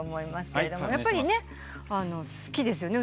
やっぱり好きですよね。